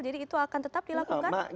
jadi itu akan tetap dilakukan